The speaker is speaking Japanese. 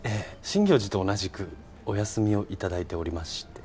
真行寺と同じくお休みを頂いておりまして。